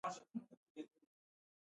افغانستان د غرونه له مخې پېژندل کېږي.